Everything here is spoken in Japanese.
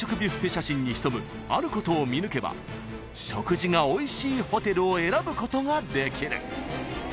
写真に潜むあることを見抜けば食事がおいしいホテルを選ぶことができる］